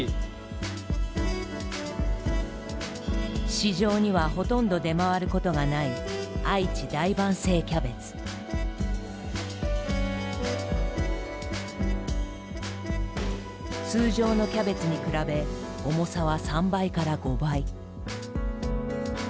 市場にはほとんど出回ることがない通常のキャベツに比べ重さは３倍から５倍。